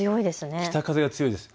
北風が強いです。